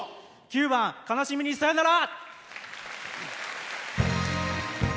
９番「悲しみにさよなら」。